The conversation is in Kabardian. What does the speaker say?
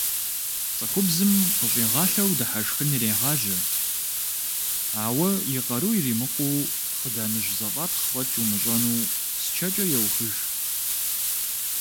Цӏыхубзым къыщӏигъалъэу дыхьэшхын ирегъажьэ, ауэ, и къару иримыкъуу, хъыданэжь зэфӏатхъ фӏэкӏ умыщӏэну, псчэкӏэ еухыж.